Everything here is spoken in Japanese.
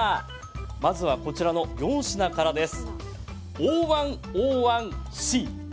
まずは、こちらの４品からです。